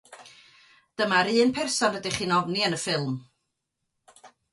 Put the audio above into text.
Dyna'r un person rydych chi'n ofni yn y ffilm.